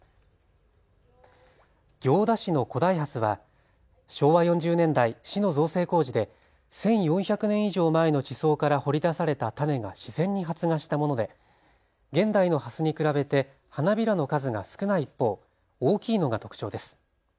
行田市の古代ハスは昭和４０年代、市の造成工事で１４００年以上前の地層から掘り出された種が自然に発芽したもので現代のハスに比べて花びらの数が少ない一方、大きいのが特徴です。